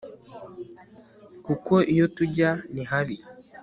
kuko iyo tujya ni habi